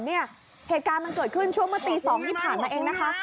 เหตุการณ์มันเกิดขึ้นช่วงเมื่อตี๒ที่ผ่านมาเองนะคะ